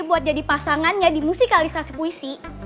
buat jadi pasangannya di musikalisasi puisi